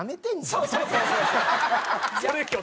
そうそうそうそう。